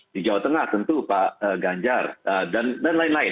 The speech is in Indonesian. di jawa tengah tentu pak ganjar dan lain lain